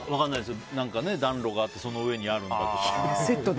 暖炉があってその上にあるとか。